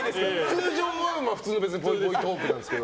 通常は普通のぽいぽいトークなんですけど。